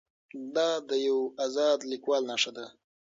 دا د یو ازاد لیکوال نښه ده.